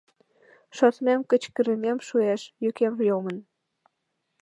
Шортмем, кычкырымем шуэш — йӱкем йомын.